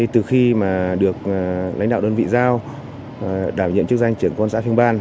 từ khi mà được lãnh đạo đơn vị giao đảm nhận chức danh trưởng công an xã thương ban